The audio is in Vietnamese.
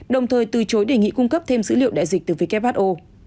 đồng thời từ chối đề nghị cung cấp thêm dữ liệu đại dịch từ who